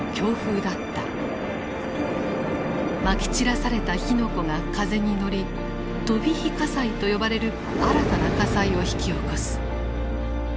まき散らされた火の粉が風に乗り「飛び火火災」と呼ばれる新たな火災を引き起こす。